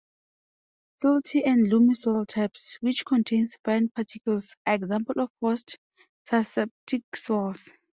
Silty and loamy soil types, which contain fine particles, are examples of frost-susceptible soils.